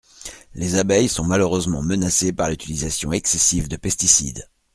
Les abeilles sont malheureusement menacées par l’utilisation excessive de pesticides.